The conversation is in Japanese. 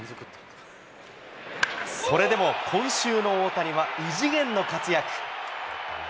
それでも今週の大谷は異次元の活躍。